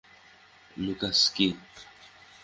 Lucas, কি?